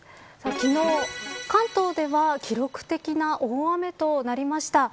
昨日、関東では記録的な大雨となりました。